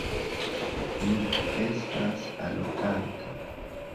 Mi estas aroganta.